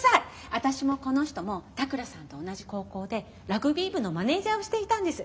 私もこの人も田倉さんと同じ高校でラグビー部のマネージャーをしていたんです。